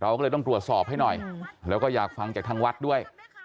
ก็เลยต้องตรวจสอบให้หน่อยแล้วก็อยากฟังจากทางวัดด้วย